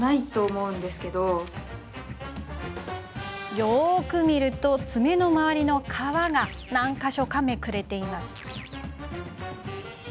よく見ると爪の周りの皮が何か所か、めくれています。